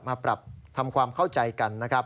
มาแบบทำความเข้าใจกัน